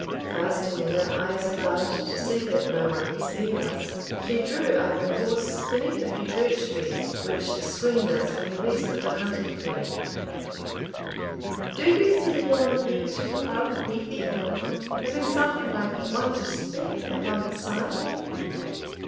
Casting her eyes around, to see that no one was near us, she drew up her horse beneath a few birch trees, which screened us from the rest of the hunting field "Do you see yon peaked, brown, heathy hill, having something like a whitish speck upon the side?"